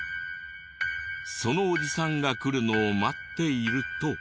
そのおじさんが来るのを待っていると。